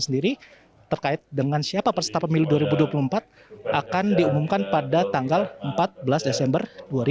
sendiri terkait dengan siapa peserta pemilu dua ribu dua puluh empat akan diumumkan pada tanggal empat belas desember dua ribu dua puluh